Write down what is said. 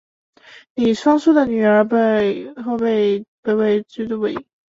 李方叔的女儿后被北魏追尊为文成元恭皇后。